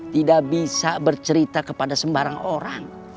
tidak bisa bercerita kepada sembarang orang